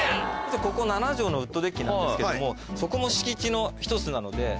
ここ７帖のウッドデッキなんですけどもそこも敷地の１つなので。